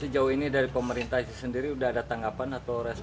sejauh ini dari pemerintah sendiri udah ada tanggapan atau resmo